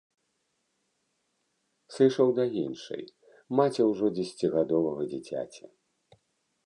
Сышоў да іншай, маці ўжо дзесяцігадовага дзіцяці.